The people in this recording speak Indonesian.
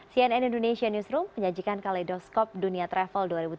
cnn indonesia newsroom menyajikan kaleidoskop dunia travel dua ribu tujuh belas